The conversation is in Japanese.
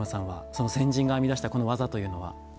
その先人が編み出したこの技というのは。